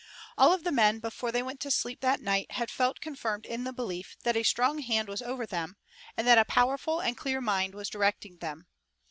All of the men before they went to sleep that night had felt confirmed in the belief that a strong hand was over them, and that a powerful and clear mind was directing them.